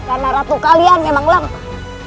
karena ratu kalian memang lempar